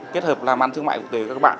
kết hợp làm ăn thương mại quốc tế với các bạn